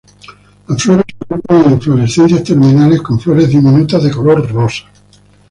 Las flores se agrupan en inflorescencias terminales con flores diminutas de color rosa.